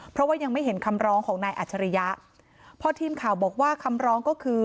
เพราะว่ายังไม่เห็นคำร้องของนายอัจฉริยะพอทีมข่าวบอกว่าคำร้องก็คือ